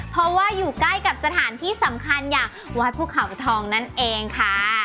เพราะว่าอยู่ใกล้กับสถานที่สำคัญอย่างวัดภูเขาทองนั่นเองค่ะ